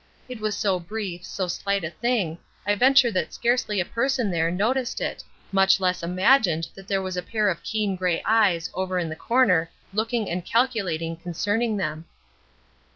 It was so brief, so slight a thing, I venture that scarcely a person there noticed it, much less imagined that there was a pair of keen gray eyes over in the corner looking and calculating concerning them.